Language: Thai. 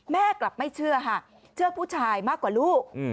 แม่กลับไม่เชื่อค่ะเชื่อผู้ชายมากกว่าลูก